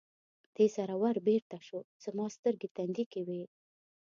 دې سره ور بېرته شو، زما سترګې تندې کې وې.